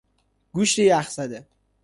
گوشت یخ زده